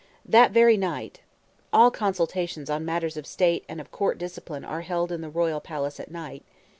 That very night [Footnote: All consultations on matters of state and of court discipline are held in the royal palace at night.